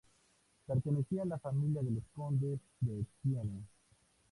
Pertenecía a la familia de los condes de Thiene.